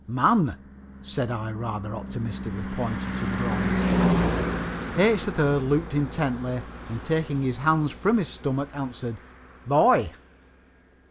"Man," said I, rather optimistically, pointing to the bronze. H. 3rd looked intently, and taking his hands from his stomach answered "Boy."